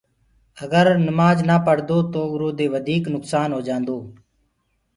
اگر نمآج نآ پڙدو تو اُرو دي وڌيٚڪ نُڪسآن هو جآندو